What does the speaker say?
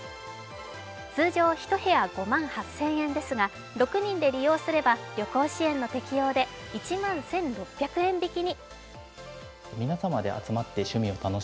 通常１部屋５万８０００円ですが６人で利用すれば旅行支援の適用で１万１６００円引きに。